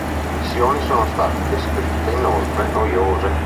Le missioni sono state descritte inoltre noiose.